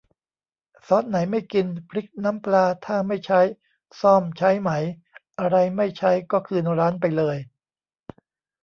ซอสไหนไม่กิน พริกน้ำปลาถ้าไม่ใช้ ส้อมใช้ไหม อะไรไม่ใช้ก็คืนร้านไปเลย